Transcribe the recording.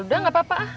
udah gak apa apa ah